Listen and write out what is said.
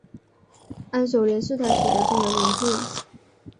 安守廉是他取的中文名字。